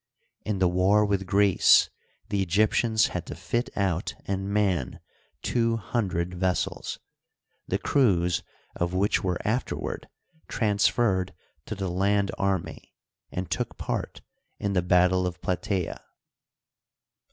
In the war with Greece the Egyptians had to fit out and man two hundred vessels, the crews of which were afterward transferred to the land army and took part in the battle of Plataea.